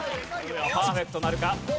パーフェクトなるか？